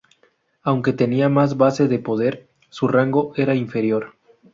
Aunque tenía más base de poder, su rango era inferior.